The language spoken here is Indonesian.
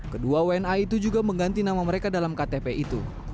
kedua wna itu juga mengganti nama mereka dalam ktp itu